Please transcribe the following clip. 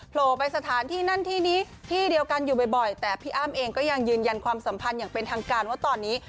โผล่ไปสถานที่นั่นที่นี้ที่เดียวกันอยู่บ่อยแต่พี่อ้ำเองก็ยังยืนยันความสัมพันธ์อย่างเป็นทางการว่าตอนนี้